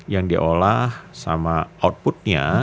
yang diolah sama outputnya